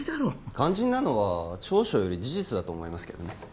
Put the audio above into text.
肝心なのは調書より事実だと思いますけどね